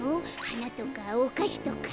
はなとかおかしとか。